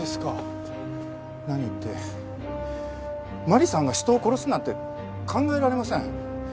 何って真里さんが人を殺すなんて考えられません。